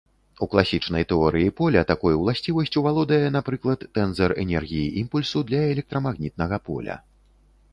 У класічнай тэорыі поля такой уласцівасцю валодае, напрыклад, тэнзар энергіі-імпульсу для электрамагнітнага поля.